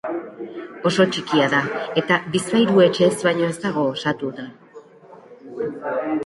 Oso txikia da eta bizpahiru etxez baino ez dago osatuta.